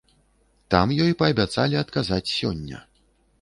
Там ёй паабяцалі адказаць сёння.